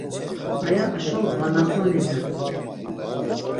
Aya aşo va naqoninen.